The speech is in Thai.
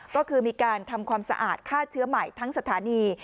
ก็คือมีการทำความสะอาดฆ่าเชื้อใหม่ทั้งสถานี